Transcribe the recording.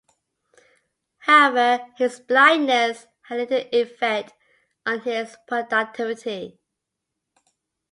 However, his blindness had little effect on his productivity.